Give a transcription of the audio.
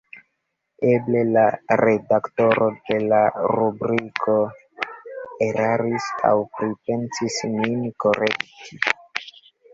Eble la redaktoro de la rubriko eraris aŭ pripensis min korekti.